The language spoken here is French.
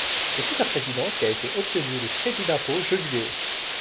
C'est sous sa présidence qu'a été obtenu le Crédit d'Impôt Jeux Vidéo.